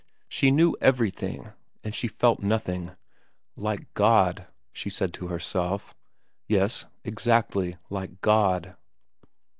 She knew everything, and she felt nothing, like God, she said to herself ; yes, exactly like God.